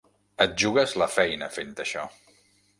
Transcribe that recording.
Et jugues la feina, fent això.